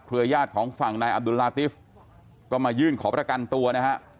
ครัวย่าดของฝั่งนายอับดุลลาติฟก็มายื่นขอประกันตัวนะครับ